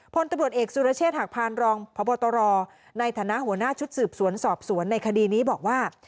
พลตำรวจเอกสุรเชษฐหักพานรองพบตรในฐานะหัวหน้าชุดสืบสวนสอบสวนในคดีนี้บอกว่า